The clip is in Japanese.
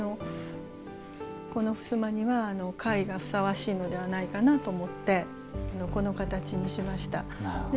この襖にはかいがふさわしいのではないかなと思ってこの形にしました。